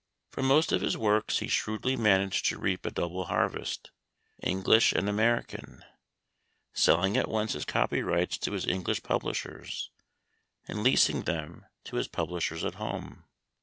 From most of his works he shrewdly managed to reap a double harvest, English and American ; selling at once his copyrights to his English publishers, and leasing them to his publishers at home.